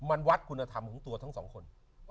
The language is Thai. มันวัดคุณธรรมของสองคน